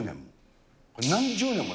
何十年も。